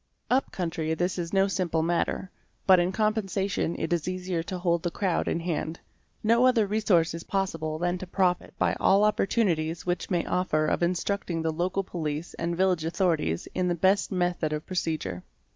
Up country this is no simple matter, but in compen — sation it is easier to hold the crowd in hand. No other resource is possible than to profit by all opportunities which may offer of instructing the local police and village authorities in the best method of procedure.